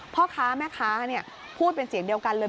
พ่อค้าแม่ค้าพูดเป็นเสียงเดียวกันเลย